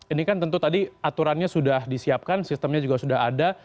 ini kan tentu tadi aturannya sudah disiapkan sistemnya juga sudah ada